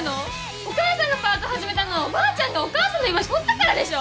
お母さんがパート始めたのはおばあちゃんがお母さんの居場所取ったからでしょ。